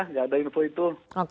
enggak ada info itu